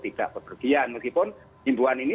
tidak berpergian meskipun himbuan ini